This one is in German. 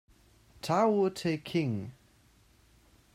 Tao te king.